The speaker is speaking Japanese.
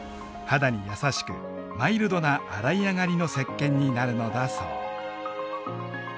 肌に優しくマイルドな洗い上がりのせっけんになるのだそう。